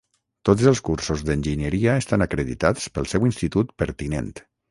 Tots els cursos d'enginyeria estan acreditats pel seu institut pertinent.